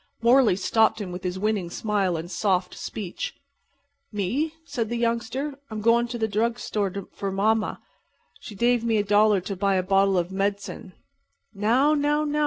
Morley stopped him with his winning smile and soft speech. "Me?" said the youngster. "I'm doin' to the drug 'tore for mamma. She dave me a dollar to buy a bottle of med'cin." "Now, now, now!"